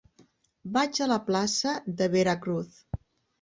Vaig a la plaça de Veracruz.